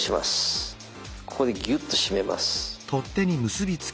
ここでギュッと締めます。